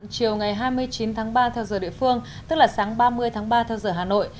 chiều ngày hai mươi chín tháng ba theo giờ địa phương tức là sáng ba mươi tháng ba theo giờ hà nội